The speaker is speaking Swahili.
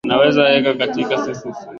Nguvu zako zashangaza dunia.